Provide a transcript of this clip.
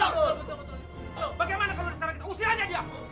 bagaimana kalau kita usir aja dia